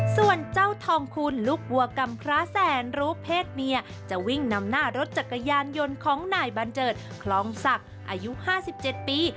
ส่วนเจ้าทองคุณลูกวัวกำพระแสนรู้เพศเมียจะวิ่งนำหน้ารถจักรยานยนต์ของนายบัญเจิดคลองศักดิ์อายุ๕๗ปี